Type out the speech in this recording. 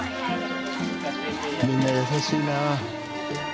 みんな優しいなあ。